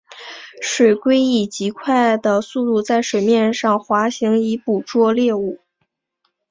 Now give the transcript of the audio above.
水黾以极快的速度在水面上滑行以捕捉猎物。